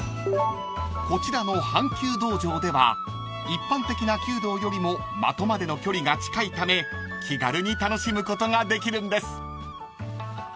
［こちらの半弓道場では一般的な弓道よりも的までの距離が近いため気軽に楽しむことができるんです］